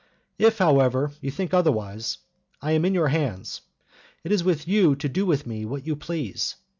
If, however, you think otherwise, I am in your hands; it is with you to do with me what you please.